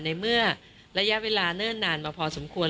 ในเมื่อระยะเวลาเนิ่นนานมาพอสมควร